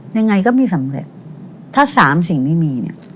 ยังไงก็ไม่สำเร็จถ้าสามสิ่งไม่มีเนี่ย